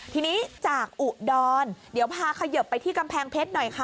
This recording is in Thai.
ทีนี้จากอุดรเดี๋ยวพาเขยิบไปที่กำแพงเพชรหน่อยค่ะ